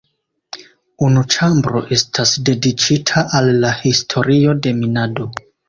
Unu ĉambro estas dediĉita al la historio de minado.